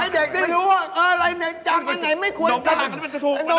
ให้เด็กได้รู้ว่าอะไรเด็กจำอันไหนไม่ควรจำ